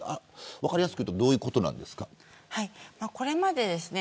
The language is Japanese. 分かりやすく言うとどういうことですか。